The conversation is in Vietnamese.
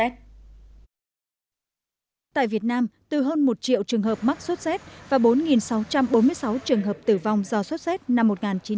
tại việt nam từ hơn một triệu trường hợp mắc sốt z và bốn sáu trăm bốn mươi sáu trường hợp tử vong do sốt z năm một nghìn chín trăm chín mươi